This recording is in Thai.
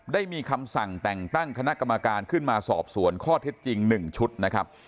ได้มีคำสั่งแต่งตั้งคณะกรรมการขึ้นมาสอบสวนข้อเท็จจริง๑ชุดนะครับ